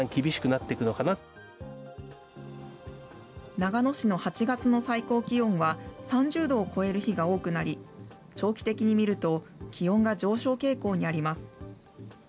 長野市の８月の最高気温は、３０度を超える日が多くなり、長期的に見ると気温が上昇傾向にあります。